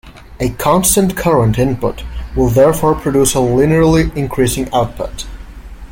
A constant current input will therefore produce a linearly increasing output.